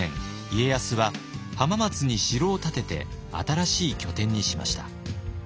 家康は浜松に城を建てて新しい拠点にしました。